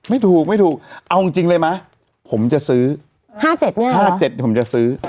ไม่ถูกไม่ถูกเอาจริงเลยไหมผมจะซื้อห้าเจ็ดเนี่ยหรอห้าเจ็ดผมจะซื้อ